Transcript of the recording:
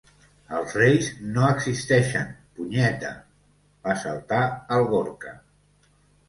Els reis no existeixen, punyeta! —va saltar el Gorka.